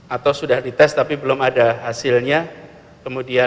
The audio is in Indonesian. atau sudah dites tapi belum ada hasilnya kemudian wafat